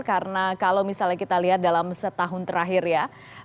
karena kalau misalnya kita lihat dalam setahun terakhir ya